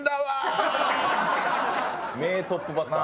名トップバッター。